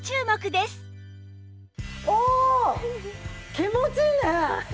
気持ちいいね！